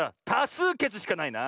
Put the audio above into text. すうけつしかないな。